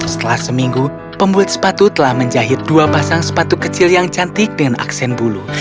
setelah seminggu pembuat sepatu telah menjahit dua pasang sepatu kecil yang cantik dengan aksen bulu